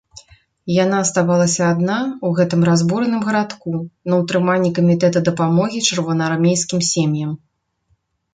Яна аставалася адна ў гэтым разбураным гарадку, на ўтрыманні камітэта дапамогі чырвонаармейскім сем'ям.